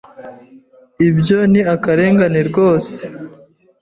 Ibyo ni akarengane rwose.